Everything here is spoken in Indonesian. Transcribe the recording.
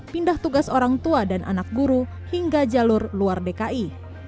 pindah tugas orang tua dan anak guru hingga jalur luar dki